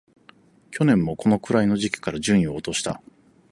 去年もこのくらいの時期から順位を落とした